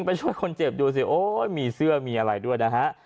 ไปช่วยคนเจ็บดูสิโอ้ยมีเสื้อมีอะไรด้วยนะฮะ